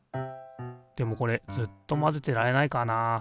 でもこれずっと混ぜてられないからな。